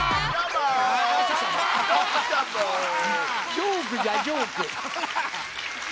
ジョークじゃジョーク。